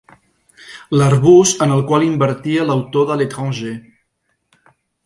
L'arbust en el qual invertia l'autor de L'Étranger.